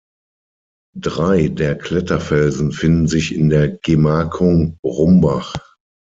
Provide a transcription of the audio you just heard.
Drei der Kletterfelsen finden sich in der Gemarkung Rumbach.